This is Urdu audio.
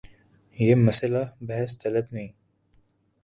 یہ مسئلہ بحث طلب نہیں۔